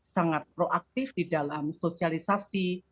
sangat proaktif di dalam sosialisasi